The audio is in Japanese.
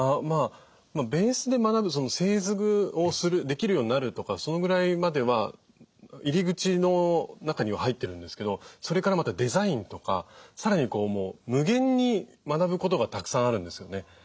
まあベースで学ぶ製図をするできるようになるとかそのぐらいまでは入り口の中には入ってるんですけどそれからまたデザインとかさらに無限に学ぶことがたくさんあるんですよね。